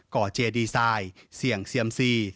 ่อเจดีไซน์เสี่ยงเซียมซี